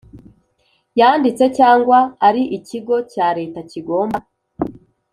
Yanditse cyangwa ari ikigo cya leta kigomba